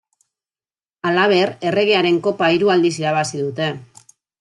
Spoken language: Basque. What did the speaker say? Halaber, erregearen kopa hiru aldiz irabazi dute.